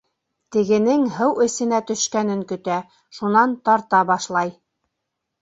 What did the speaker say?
Тегенең һыу эсенә төшкәнен көтә, шунан тарта башлай.